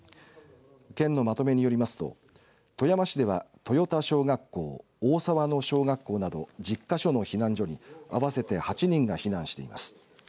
県のまとめによりますと富山市では豊田小学校大沢野小学校など１０か所の避難所に合わせて８人が避難しています。